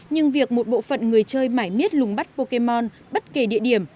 nhưng việc một bộ phận người chơi mãi miết lùng bắt pokemon bất kể địa điểm